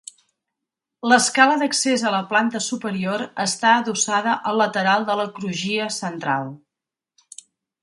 L'escala d'accés a la planta superior està adossada al lateral de la crugia central.